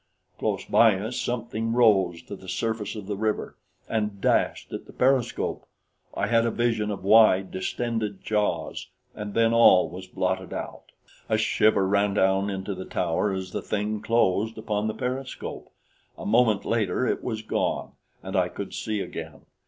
Close by us something rose to the surface of the river and dashed at the periscope. I had a vision of wide, distended jaws, and then all was blotted out. A shiver ran down into the tower as the thing closed upon the periscope. A moment later it was gone, and I could see again.